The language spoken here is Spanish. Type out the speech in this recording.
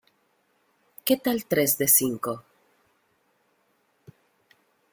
¿ Que tal tres de cinco?